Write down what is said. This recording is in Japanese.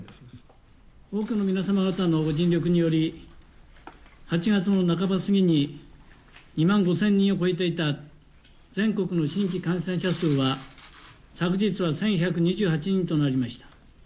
多くの皆様方のご尽力により、８月の半ば過ぎに２万５０００人を超えていた全国の新規感染者数は、昨日は１１２８人となりました。